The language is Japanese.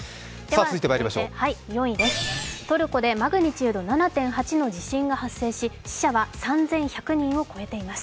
続いて４位です、トルコでマグニチュード７．８の地震が発生し死者は３１００人を超えています。